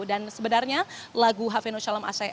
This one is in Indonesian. dan sebenarnya lagu hafenu shalom